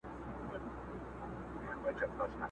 کښته پورته یې ځغستله لاندي باندي،